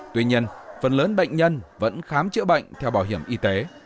tuy nhiên phần lớn bệnh nhân vẫn khám chữa bệnh theo bảo hiểm y tế